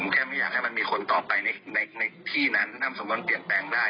แค่ไม่อยากให้มันมีคนต่อไปในที่นั้นทำสำนวนเปลี่ยนแปลงได้